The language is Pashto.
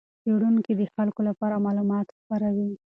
څېړونکي د خلکو لپاره معلومات خپروي.